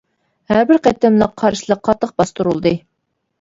ھەر بىر قېتىملىق قارشىلىق قاتتىق باستۇرۇلدى.